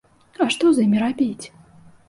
А што з імі рабіць?